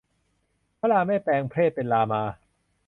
พระราเมศแปลงเพศเป็นรามา